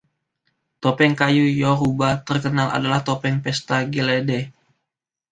Topeng kayu Yoruba terkenal adalah topeng pesta Gelede.